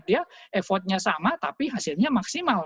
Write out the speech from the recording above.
dia effortnya sama tapi hasilnya maksimal